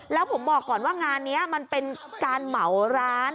แล้วผมบอกก่อนว่างานนี้มันเป็นการเหมาร้าน